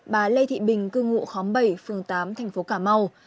bà lê thị bình cư ngụ khóm bảy phường tám thành phố cà mau